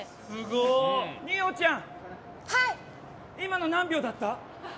二葉ちゃん、今の何秒だった？